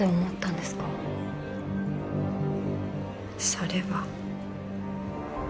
それは。